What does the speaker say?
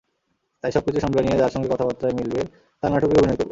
তাই সবকিছু সামলে নিয়ে যাঁর সঙ্গে কথাবার্তায় মিলবে, তাঁর নাটকেই অভিনয় করব।